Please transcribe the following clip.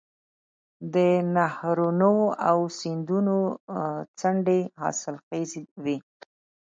د نهرونو او سیندونو څنډې حاصلخیزې وي.